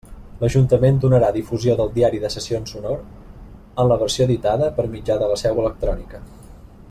L'Ajuntament donarà difusió del diari de sessions sonor, en la versió editada, per mitjà de la seu electrònica.